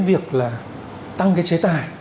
việc là tăng cái chế tài